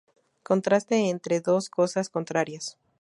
Contraste entre dos cosas contrarias.